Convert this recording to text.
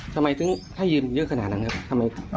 ทำไมถึงถ้ายืมเยอะขนาดนั้นครับทำไมครับ